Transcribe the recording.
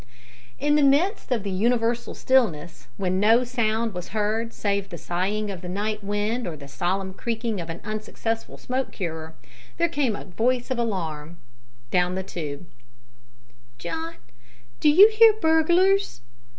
In the midst of the universal stillness, when no sound was heard save the sighing of the night wind or the solemn creaking of an unsuccessful smoke curer, there came a voice of alarm down the tube "John, do you hear burglars?"